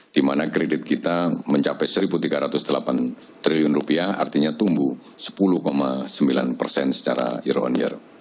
di mana kredit kita mencapai rp satu tiga ratus delapan triliun rupiah artinya tumbuh sepuluh sembilan persen secara year on year